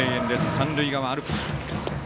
三塁側アルプス。